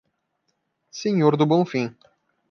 Senhor do Bonfim